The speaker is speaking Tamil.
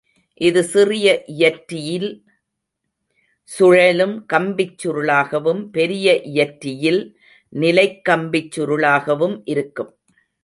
இது சிறிய இயற்றியில் சுழலும் கம்பிச் சுருளாகவும் பெரிய இயற்றியில் நிலைக்கம்பிச் சுருளாகவும் இருக்கும்.